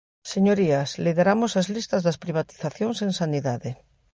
Señorías, lideramos as listas das privatizacións en sanidade.